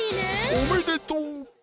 おめでとう！